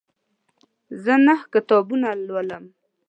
زه نهه کتابونه لولم.